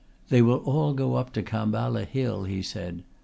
"They will all go up to Khamballa Hill," he said.